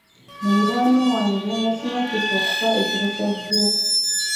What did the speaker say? Muliraanwa wange yasimattuse okufa ekiro Kya jjo.